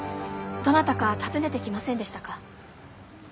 どなたか訪ねてきませんでしたか？